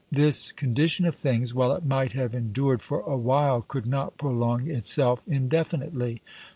This condition of things, while it might have endured for awhile, could not prolong itself indefinitely.